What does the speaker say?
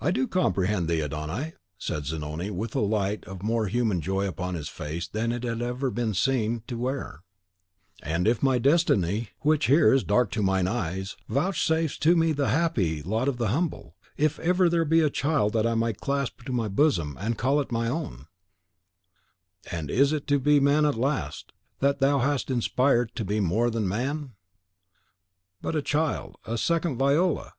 "I do comprehend thee, Adon Ai," said Zanoni, with a light of more human joy upon his face than it had ever before been seen to wear; "and if my destiny, which here is dark to mine eyes, vouchsafes to me the happy lot of the humble, if ever there be a child that I may clasp to my bosom and call my own " "And is it to be man at last, that thou hast aspired to be more than man?" "But a child, a second Viola!"